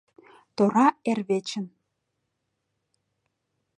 Тора эрвечын